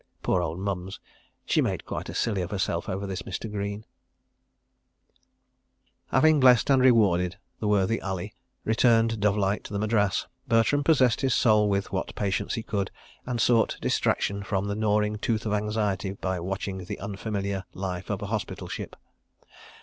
... (Poor old Mums; she made quite a silly of herself over this Mr. Greene!) §5 Having blessed and rewarded the worthy Ali, returned dove like to the Madras, Bertram possessed his soul with what patience he could, and sought distraction from the gnawing tooth of anxiety by watching the unfamiliar life of a hospital ship.